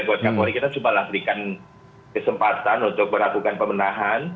buat kapolri kita cuma lahirkan kesempatan untuk melakukan pemenahan